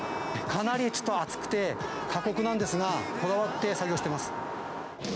かなり暑くて過酷なんですが、こだわって作業してます。